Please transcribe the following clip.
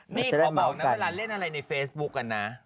นี่ขอบอกนะเวลาเล่นอะไรในเฟซบุ๊กอะนะ